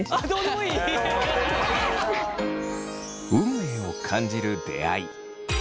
運命を感じる出会い。